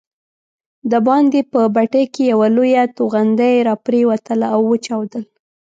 دباندې په بټۍ کې یوه لویه توغندۍ راپرېوتله او وچاودل.